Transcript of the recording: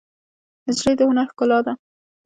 نجلۍ د هنر ښکلا ده.